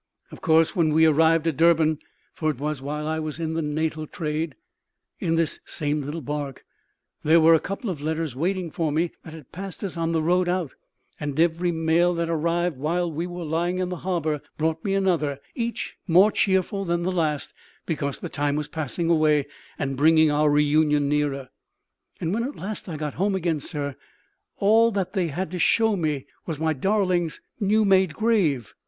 "Of course when we arrived at Durban for it was while I was in the Natal trade, in this same little barque there were a couple of letters waiting for me that had passed us on the road out; and every mail that arrived while we were lying in the harbour brought me another, each more cheerful than the last, because the time was passing away and bringing our reunion nearer. "And when at last I got home again, sir, all that they had to show me was my darling's new made grave.